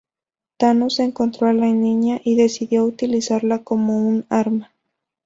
Thanos encontró a la niña y decidió utilizarla como un arma.